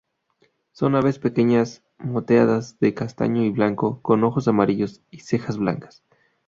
Son aves pequeñas, moteadas de castaño y blanco, con ojos amarillos y cejas blancas.